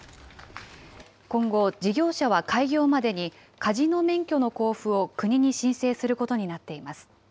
今後、事業者は開業までに、カジノ免許の交付を国に申請することになっています。